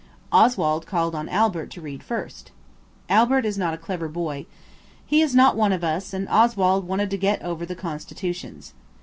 Oswald called on Albert to read first. Albert is not a clever boy. He is not one of us, and Oswald wanted to get over the Constitutions.